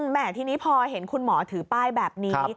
แม่ทีนี้พอเห็นคุณหมอถือป้ายแบบนี้